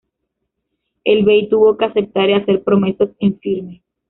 El bey tuvo que aceptar y hacer promesas en firme.